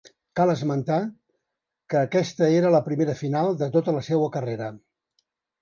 Cal esmentar que aquesta era la primera final de tota la seua carrera.